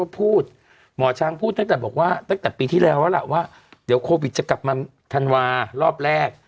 พูดหมอช้างพูดตั้งแต่บอกว่าตั้งแต่ปีที่แล้วแล้วล่ะว่าเดี๋ยวโควิดจะกลับมาธันวารอบแรก